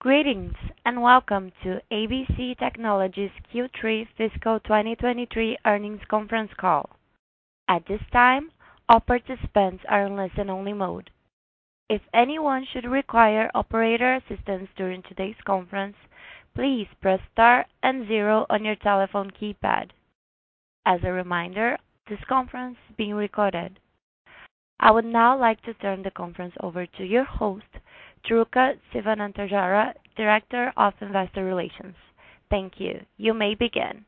Greetings, and welcome to ABC Technologies Q3 Fiscal 2023 Earnings Conference Call. At this time, all participants are in listen-only mode. If anyone should require operator assistance during today's conference, please press star and zero on your telephone keypad. As a reminder, this conference is being recorded. I would now like to turn the conference over to your host, Thurukka Sivanantharajah, Director of Investor Relations. Thank you. You may begin.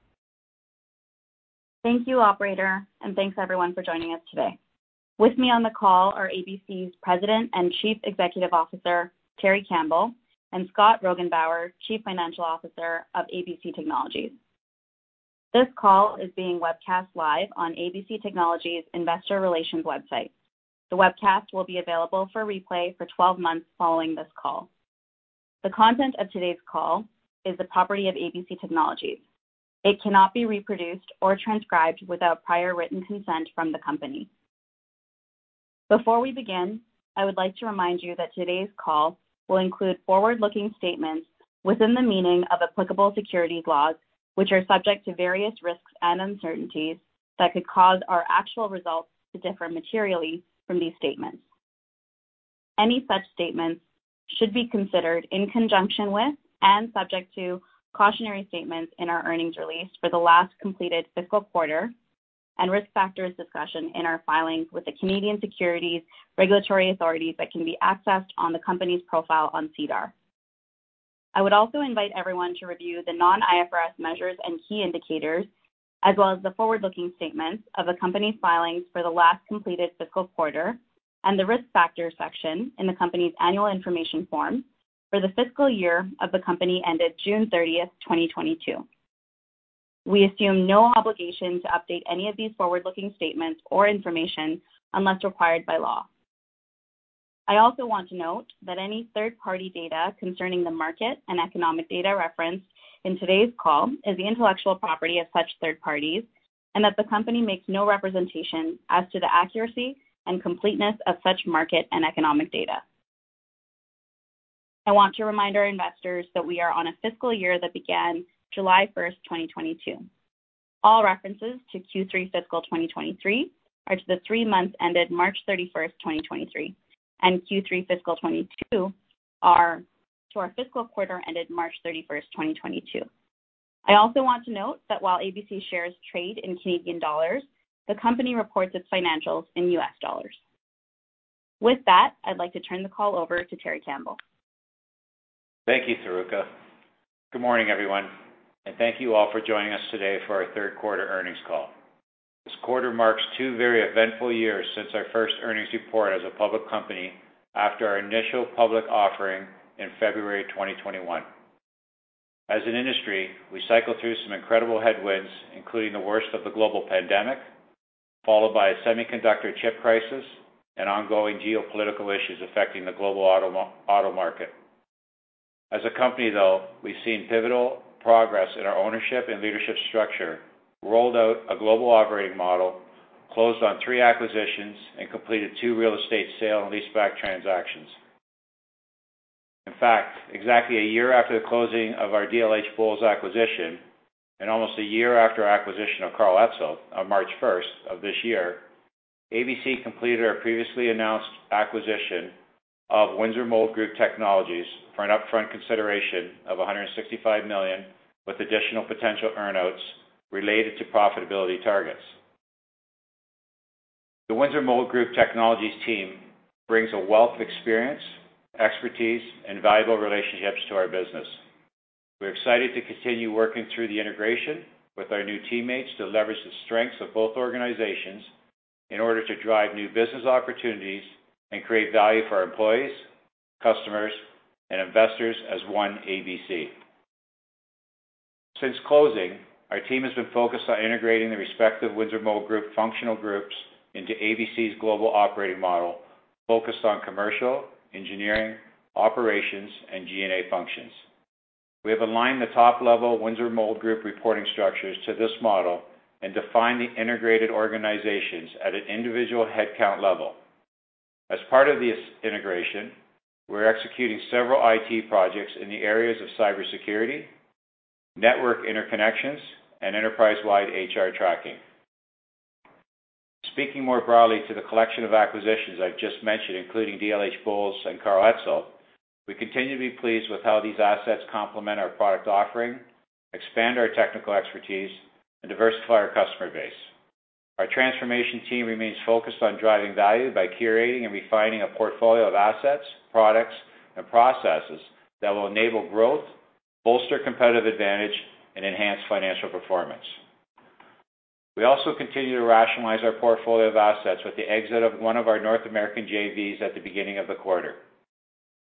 Thank you, operator, and thanks everyone for joining us today. With me on the call are ABC's President and Chief Executive Officer, Terry Campbell, and Scott Roggenbauer, Chief Financial Officer of ABC Technologies. The call is being webcast live on ABC Technologies' Investor Relations website. The webcast will be available for replay for 12 months following this call. The content of today's call is the property of ABC Technologies. It cannot be reproduced or transcribed without prior written consent from the company. Before we begin, I would like to remind you that today's call will include forward-looking statements within the meaning of applicable securities laws, which are subject to various risks and uncertainties that could cause our actual results to differ materially from these statements. Any such statements should be considered in conjunction with and subject to cautionary statements in our earnings release for the last completed fiscal quarter and risk factors discussion in our filings with the Canadian Securities Administrators that can be accessed on the company's profile on SEDAR. I would also invite everyone to review the non-IFRS measures and key indicators, as well as the forward-looking statements of the company's filings for the last completed fiscal quarter and the risk factors section in the company's annual information form for the fiscal year of the company ended June 30th, 2022. We assume no obligation to update any of these forward-looking statements or information unless required by law. I also want to note that any third-party data concerning the market and economic data referenced in today's call is the intellectual property of such third parties and that the company makes no representation as to the accuracy and completeness of such market and economic data. I want to remind our investors that we are on a fiscal year that began July 1st, 2022. All references to Q3 fiscal 2023 are to the three months ended March 31st, 2023, and Q3 fiscal 2022 are to our fiscal quarter ended March 31st, 2022. I also want to note that while ABC shares trade in Canadian dollars, the company reports its financials in US dollars. With that, I'd like to turn the call over to Terry Campbell. Thank you, Thurukka. Good morning, everyone, thank you all for joining us today for our third quarter earnings call. This quarter marks two very eventful years since our first earnings report as a public company after our initial public offering in February 2021. As an industry, we cycled through some incredible headwinds, including the worst of the global pandemic, followed by a semiconductor chip crisis and ongoing geopolitical issues affecting the global auto market. As a company, though, we've seen pivotal progress in our ownership and leadership structure, rolled out a global operating model, closed on three acquisitions, and completed two real estate sale and leaseback transactions. In fact, exactly a year after the closing of our dlhBOWLES acquisition, and almost a year after our acquisition of Karl Etzel on March 1st of this year, ABC completed our previously announced acquisition of Windsor Mold Group Technologies for an upfront consideration of $165 million, with additional potential earn-outs related to profitability targets. The Windsor Mold Group Technologies team brings a wealth of experience, expertise, and valuable relationships to our business. We're excited to continue working through the integration with our new teammates to leverage the strengths of both organizations in order to drive new business opportunities and create value for our employees, customers, and investors as One ABC. Since closing, our team has been focused on integrating the respective Windsor Mold Group functional groups into ABC's global operating model, focused on commercial, engineering, operations, and G&A functions. We have aligned the top-level Windsor Mold Group reporting structures to this model and defined the integrated organizations at an individual headcount level. As part of this integration, we're executing several IT projects in the areas of cybersecurity, network interconnections, and enterprise-wide HR tracking. Speaking more broadly to the collection of acquisitions I've just mentioned, including dlhBOWLES and Karl Etzel, we continue to be pleased with how these assets complement our product offering, expand our technical expertise, and diversify our customer base. Our transformation team remains focused on driving value by curating and refining a portfolio of assets, products, and processes that will enable growth, bolster competitive advantage, and enhance financial performance. We also continue to rationalize our portfolio of assets with the exit of one of our North American JVs at the beginning of the quarter.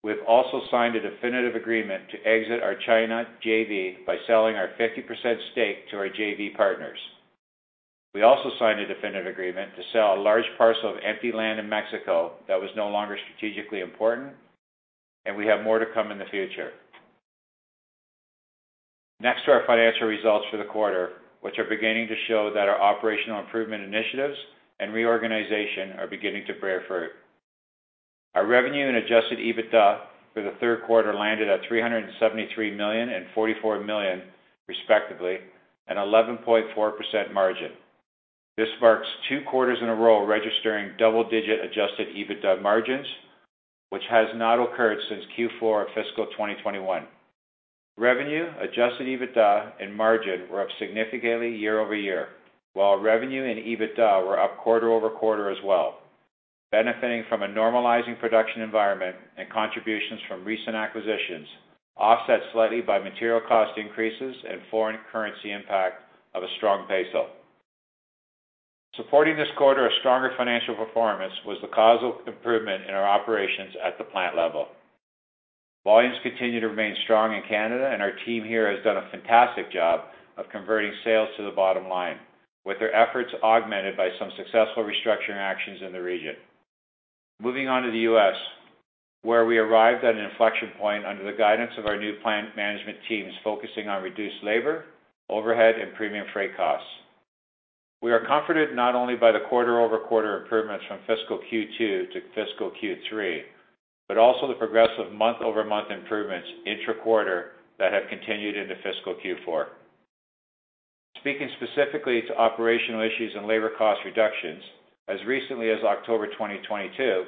We have also signed a definitive agreement to exit our China JV by selling our 50% stake to our JV partners. We also signed a definitive agreement to sell a large parcel of empty land in Mexico that was no longer strategically important, and we have more to come in the future. Next to our financial results for the quarter, which are beginning to show that our operational improvement initiatives and reorganization are beginning to bear fruit. Our revenue and adjusted EBITDA for the third quarter landed at $373 million and $44 million, respectively, an 11.4% margin. This marks two quarters in a row registering double-digit adjusted EBITDA margins, which has not occurred since Q4 of fiscal 2021. Revenue, adjusted EBITDA, and margin were up significantly year-over-year, while revenue and EBITDA were up quarter-over-quarter as well, benefiting from a normalizing production environment and contributions from recent acquisitions, offset slightly by material cost increases and foreign currency impact of a strong peso. Supporting this quarter of stronger financial performance was the causal improvement in our operations at the plant level. Volumes continue to remain strong in Canada, and our team here has done a fantastic job of converting sales to the bottom line, with their efforts augmented by some successful restructuring actions in the region. Moving on to the U.S., where we arrived at an inflection point under the guidance of our new plant management teams focusing on reduced labor, overhead, and premium freight costs. We are comforted not only by the quarter-over-quarter improvements from fiscal Q2 to fiscal Q3, but also the progressive month-over-month improvements intra-quarter that have continued into fiscal Q4. Speaking specifically to operational issues and labor cost reductions, as recently as October 2022,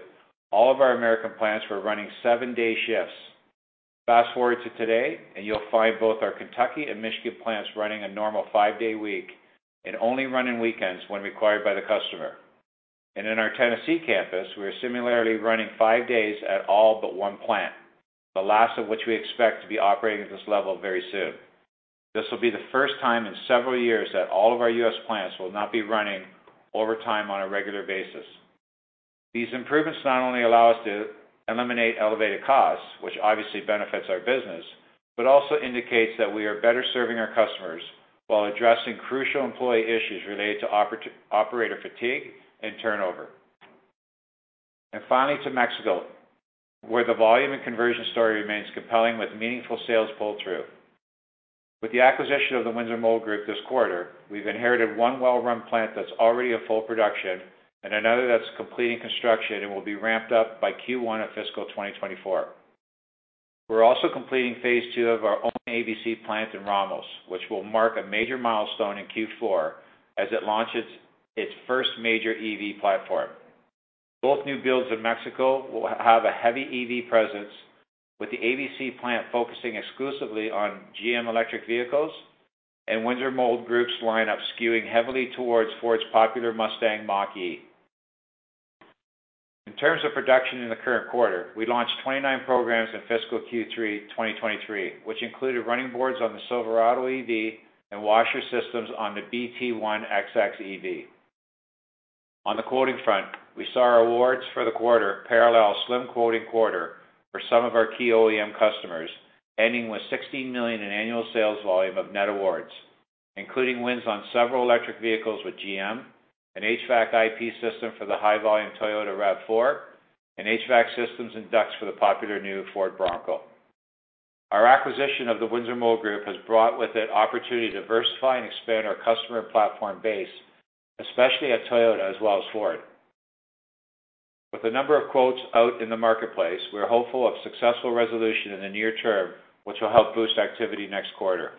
all of our America plants were running 7-day shifts. You'll find both our Kentucky and Michigan plants running a normal 5-day week and only running weekends when required by the customer. In our Tennessee campus, we are similarly running five days at all but one plant, the last of which we expect to be operating at this level very soon. This will be the first time in several years that all of our U.S. plants will not be running overtime on a regular basis. These improvements not only allow us to eliminate elevated costs, which obviously benefits our business, but also indicates that we are better serving our customers while addressing crucial employee issues related to operator fatigue and turnover. Finally, to Mexico, where the volume and conversion story remains compelling with meaningful sales pull-through. With the acquisition of the Windsor Mold Group this quarter, we've inherited one well-run plant that's already at full production and another that's completing construction and will be ramped up by Q1 of fiscal 2024. We're also completing phase two of our own ABC plant in Ramos, which will mark a major milestone in Q4 as it launches its first major EV platform. Both new builds in Mexico will have a heavy EV presence, with the ABC plant focusing exclusively on GM electric vehicles and Windsor Mold Group's lineup skewing heavily towards Ford's popular Mustang Mach-E. In terms of production in the current quarter, we launched 29 programs in fiscal Q3 2023, which included running boards on the Silverado EV and Washer Systems on the BT1XX EV. On the quoting front, we saw our awards for the quarter parallel a slim quoting quarter for some of our key OEM customers, ending with $16 million in annual sales volume of net awards, including wins on several electric vehicles with GM, an HVAC IP system for the high-volume Toyota RAV4, and HVAC systems and ducts for the popular new Ford Bronco. Our acquisition of the Windsor Mold Group has brought with it opportunity to diversify and expand our customer and platform base, especially at Toyota as well as Ford. With a number of quotes out in the marketplace, we're hopeful of successful resolution in the near term, which will help boost activity next quarter.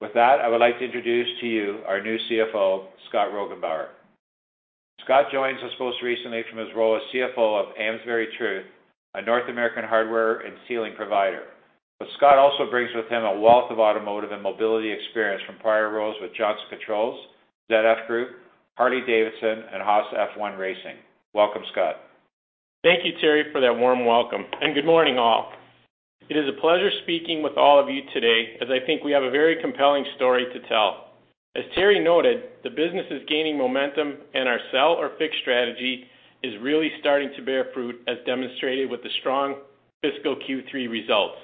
With that, I would like to introduce to you our new CFO, Scott Roggenbauer. Scott joins us most recently from his role as CFO of AmesburyTruth, a North American hardware and sealing provider. Scott also brings with him a wealth of automotive and mobility experience from prior roles with Johnson Controls, ZF Group, Harley-Davidson, and Haas F1 Team. Welcome, Scott. Thank you, Terry, for that warm welcome. Good morning, all. It is a pleasure speaking with all of you today as I think we have a very compelling story to tell. As Terry noted, the business is gaining momentum, our sell or fix strategy is really starting to bear fruit as demonstrated with the strong fiscal Q3 results.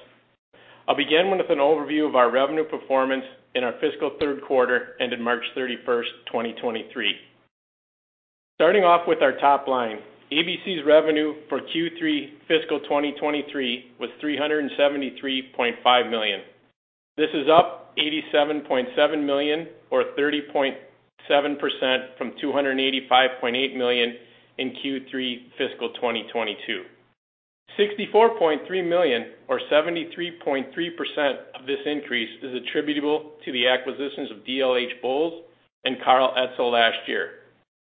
I'll begin with an overview of our revenue performance in our fiscal third quarter, ending March 31st, 2023. Starting off with our top line, ABC's revenue for Q3 fiscal 2023 was $373.5 million. This is up $87.7 million or 30.7% from $285.8 million in Q3 fiscal 2022. $64.3 million or 73.3% of this increase is attributable to the acquisitions of dlhBOWLES and Karl Etzel last year,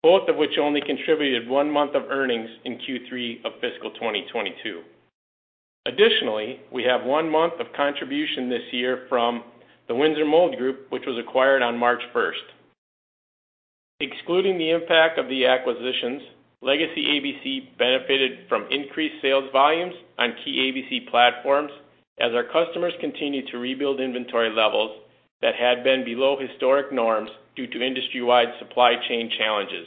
both of which only contributed one month of earnings in Q3 of fiscal 2022. We have one month of contribution this year from the Windsor Mold Group, which was acquired on March 1st. Excluding the impact of the acquisitions, legacy ABC benefited from increased sales volumes on key ABC platforms as our customers continued to rebuild inventory levels that had been below historic norms due to industry-wide supply chain challenges.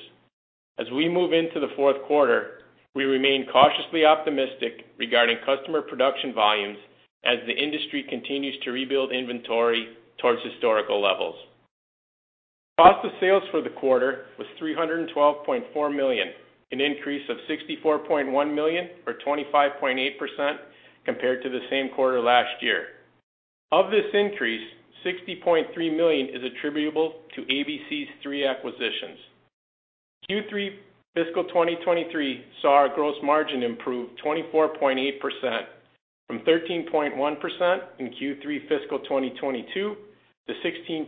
As we move into the fourth quarter, we remain cautiously optimistic regarding customer production volumes as the industry continues to rebuild inventory towards historical levels. Cost of sales for the quarter was $312.4 million, an increase of $64.1 million, or 25.8% compared to the same quarter last year. Of this increase, $60.3 million is attributable to ABC's three acquisitions. Q3 fiscal 2023 saw our gross margin improve 24.8% from 13.1% in Q3 fiscal 2022 to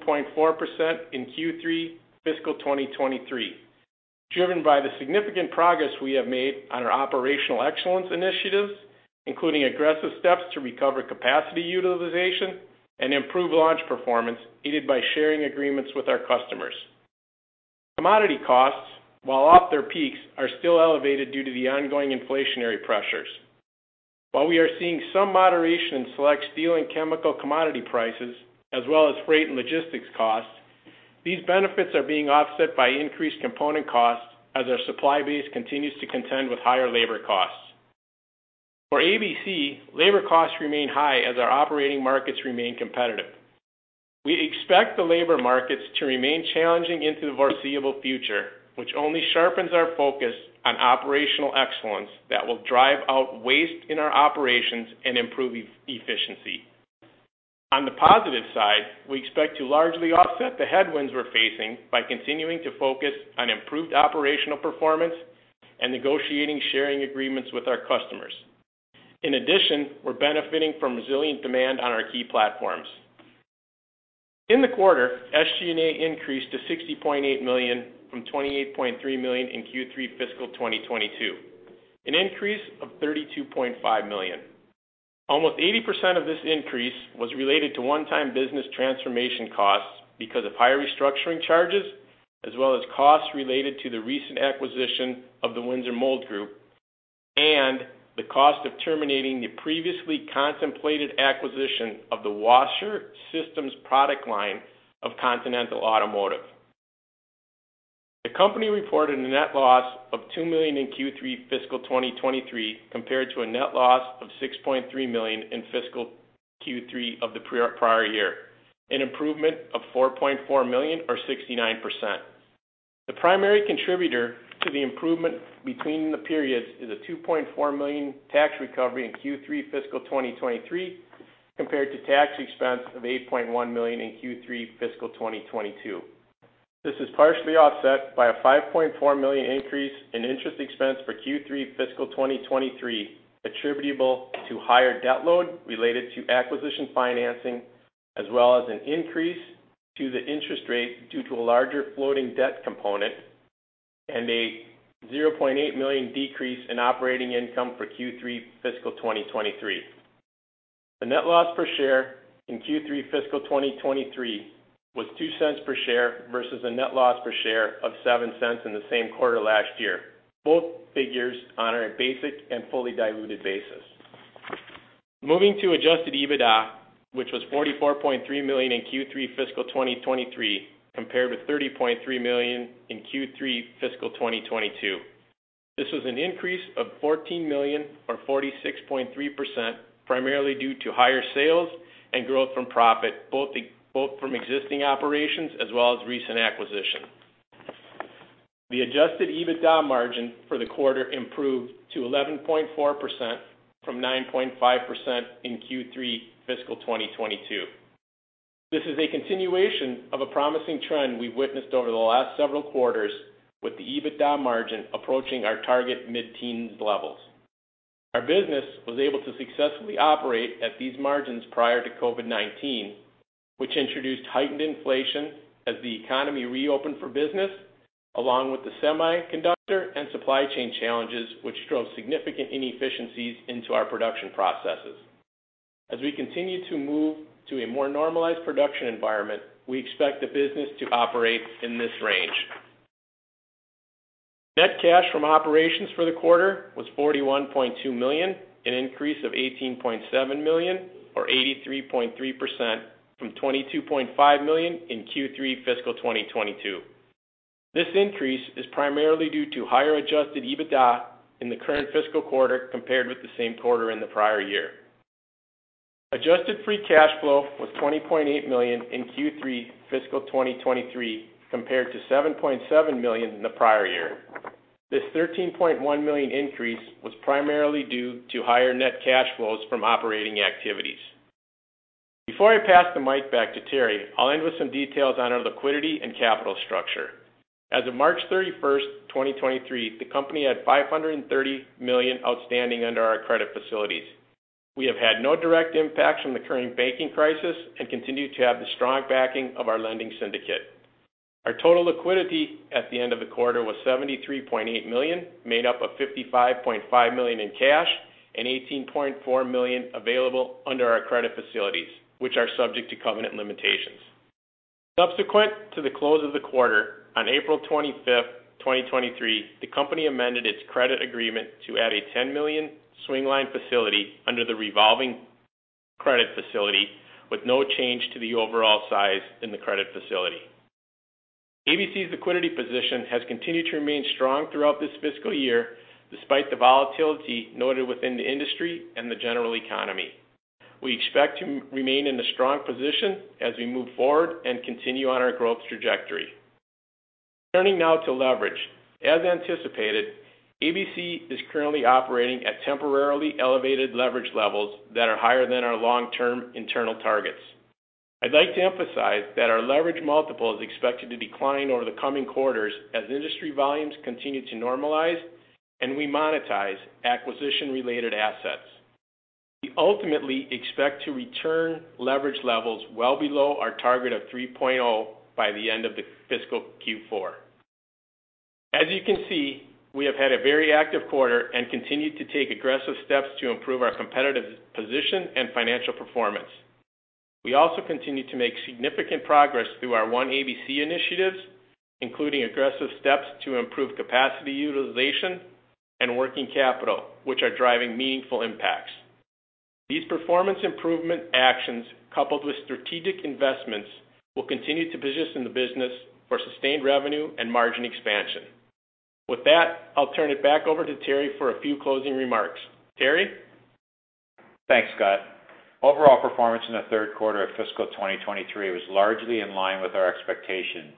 16.4% in Q3 fiscal 2023, driven by the significant progress we have made on our operational excellence initiatives, including aggressive steps to recover capacity utilization and improve launch performance, aided by sharing agreements with our customers. Commodity costs, while off their peaks, are still elevated due to the ongoing inflationary pressures. While we are seeing some moderation in select steel and chemical commodity prices, as well as freight and logistics costs, these benefits are being offset by increased component costs as our supply base continues to contend with higher labor costs. For ABC, labor costs remain high as our operating markets remain competitive. We expect the labor markets to remain challenging into the foreseeable future, which only sharpens our focus on operational excellence that will drive out waste in our operations and improve e-efficiency. On the positive side, we expect to largely offset the headwinds we're facing by continuing to focus on improved operational performance and negotiating sharing agreements with our customers. In addition, we're benefiting from resilient demand on our key platforms. In the quarter, SG&A increased to $60.8 million from $28.3 million in Q3 fiscal 2022, an increase of $32.5 million. Almost 80% of this increase was related to one-time business transformation costs because of higher restructuring charges, as well as costs related to the recent acquisition of the Windsor Mold Group, and the cost of terminating the previously contemplated acquisition of the Washer Systems product line of Continental Automotive. The company reported a net loss of $2 million in Q3 fiscal 2023, compared to a net loss of $6.3 million in fiscal Q3 of the prior year, an improvement of $4.4 million or 69%. The primary contributor to the improvement between the periods is a $2.4 million tax recovery in Q3 fiscal 2023, compared to tax expense of $8.1 million in Q3 fiscal 2022. This is partially offset by a $5.4 million increase in interest expense for Q3 fiscal 2023, attributable to higher debt load related to acquisition financing, as well as an increase to the interest rate due to a larger floating debt component and a $0.8 million decrease in operating income for Q3 fiscal 2023. The net loss per share in Q3 fiscal 2023 was $0.02 per share versus a net loss per share of $0.07 in the same quarter last year, both figures on a basic and fully diluted basis. Moving to adjusted EBITDA, which was $44.3 million in Q3 fiscal 2023, compared with $30.3 million in Q3 fiscal 2022. This was an increase of $14 million or 46.3%, primarily due to higher sales and growth from profit, both from existing operations as well as recent acquisitions. The adjusted EBITDA margin for the quarter improved to 11.4% from 9.5% in Q3 fiscal 2022. This is a continuation of a promising trend we've witnessed over the last several quarters with the EBITDA margin approaching our target mid-teens levels. Our business was able to successfully operate at these margins prior to COVID-19, which introduced heightened inflation as the economy reopened for business, along with the semiconductor and supply chain challenges, which drove significant inefficiencies into our production processes. As we continue to move to a more normalized production environment, we expect the business to operate in this range. Net cash from operations for the quarter was $41.2 million, an increase of $18.7 million, or 83.3% from $22.5 million in Q3 fiscal 2022. This increase is primarily due to higher adjusted EBITDA in the current fiscal quarter compared with the same quarter in the prior year. Adjusted free cash flow was $20.8 million in Q3 fiscal 2023, compared to $7.7 million in the prior year. This $13.1 million increase was primarily due to higher net cash flows from operating activities. Before I pass the mic back to Terry, I'll end with some details on our liquidity and capital structure. As of March 31st, 2023, the company had $530 million outstanding under our credit facilities. We have had no direct impact from the current banking crisis and continue to have the strong backing of our lending syndicate. Our total liquidity at the end of the quarter was $73.8 million, made up of $55.5 million in cash and $18.4 million available under our credit facilities, which are subject to covenant limitations. Subsequent to the close of the quarter, on April 25th, 2023, the company amended its credit agreement to add a $10 million swing line facility under the revolving credit facility with no change to the overall size in the credit facility. ABC's liquidity position has continued to remain strong throughout this fiscal year, despite the volatility noted within the industry and the general economy. We expect to remain in a strong position as we move forward and continue on our growth trajectory. Turning now to leverage. As anticipated, ABC is currently operating at temporarily elevated leverage levels that are higher than our long-term internal targets. I'd like to emphasize that our leverage multiple is expected to decline over the coming quarters as industry volumes continue to normalize and we monetize acquisition-related assets. We ultimately expect to return leverage levels well below our target of 3.0 by the end of the fiscal Q4. As you can see, we have had a very active quarter and continued to take aggressive steps to improve our competitive position and financial performance. We also continue to make significant progress through our one ABC initiatives, including aggressive steps to improve capacity utilization and working capital, which are driving meaningful impacts. These performance improvement actions, coupled with strategic investments, will continue to position the business for sustained revenue and margin expansion. With that, I'll turn it back over to Terry for a few closing remarks. Terry? Thanks, Scott. Overall performance in the third quarter of fiscal 2023 was largely in line with our expectations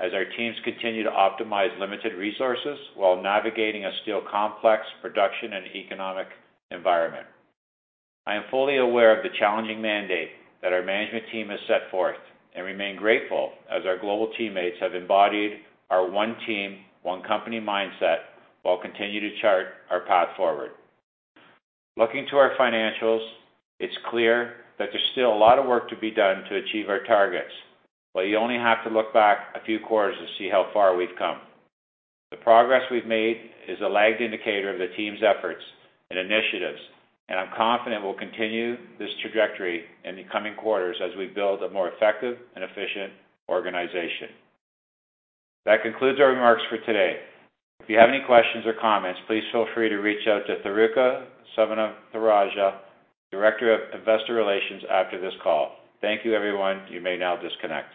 as our teams continue to optimize limited resources while navigating a still complex production and economic environment. I am fully aware of the challenging mandate that our management team has set forth and remain grateful as our global teammates have embodied our one team, one company mindset while continuing to chart our path forward. Looking to our financials, it's clear that there's still a lot of work to be done to achieve our targets, but you only have to look back a few quarters to see how far we've come. The progress we've made is a lagged indicator of the team's efforts and initiatives, and I'm confident we'll continue this trajectory in the coming quarters as we build a more effective and efficient organization. That concludes our remarks for today. If you have any questions or comments, please feel free to reach out to Thurukka Sivanantharajah, Director of Investor Relations, after this call. Thank you, everyone. You may now disconnect.